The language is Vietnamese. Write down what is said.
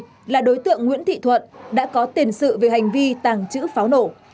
đây là đối tượng nguyễn thị thuận đã có tiền sự về hành vi tàng trữ pháo nổ